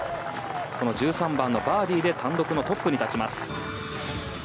この１３番のバーディーで単独のトップに立ちます。